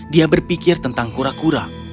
dia berpikir tentang kura kura